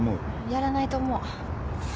やらないと思う。